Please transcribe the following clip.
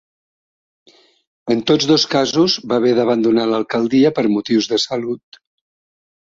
En tots dos casos va haver d'abandonar l'alcaldia per motius de salut.